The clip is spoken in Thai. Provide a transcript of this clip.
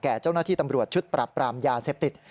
เจ้าหน้าที่ตำรวจชุดปรับปรามยาเสพติด